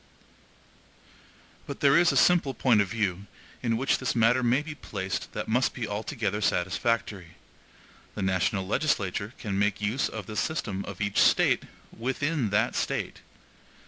But there is a simple point of view in which this matter may be placed that must be altogether satisfactory. The national legislature can make use of the SYSTEM OF EACH STATE WITHIN THAT STATE.